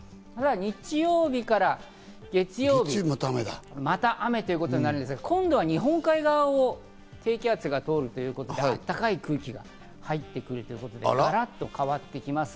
日曜日から月曜日、また雨ということなんですが、今度は日本海側を低気圧が通るということで、暖かい空気が入ってくるということでガラっと変わってきます。